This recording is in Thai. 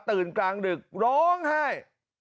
ตื่นกลางดึกร้องไห้